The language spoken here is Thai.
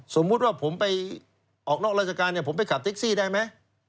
สมมุติว่าผมไปออกนอกราชการผมไปขับแท็กซี่ได้ไหม